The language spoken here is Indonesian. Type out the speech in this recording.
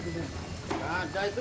tidak ada itu